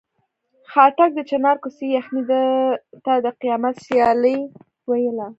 خاټک د چنار کوڅې یخنۍ ته د قیامت سیلۍ ویله.